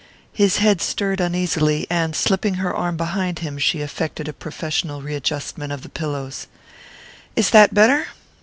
His head stirred uneasily, and slipping her arm behind him she effected a professional readjustment of the pillows. "Is that better?"